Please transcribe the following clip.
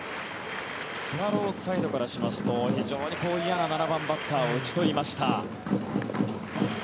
スワローズサイドからしますと非常に嫌な７番バッターを打ち取りました。